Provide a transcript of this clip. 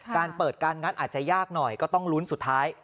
การเปิดการงัดอาจจะยากหน่อยก็ต้องลุ้นสุดท้าย